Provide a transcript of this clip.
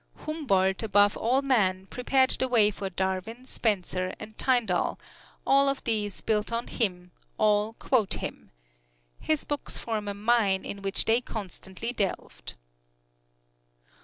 Humboldt, above all men, prepared the way for Darwin, Spencer and Tyndall all of these built on him, all quote him. His books form a mine in which they constantly delved.